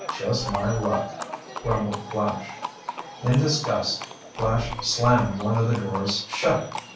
"Just my luck," grumbled Flash. In disgust, Flash slammed one of the drawers shut.